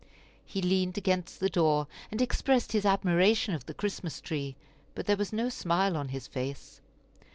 He leaned against the door, and expressed his admiration of the Christmas tree, but there was no smile on his face.